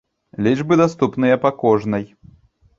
Лічбы даступныя па кожнай.